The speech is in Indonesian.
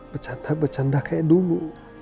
bercanda bercanda kayak dulu